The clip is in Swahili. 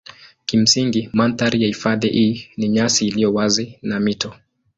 Kimsingi mandhari ya hifadhi hii ni nyasi iliyo wazi na mito.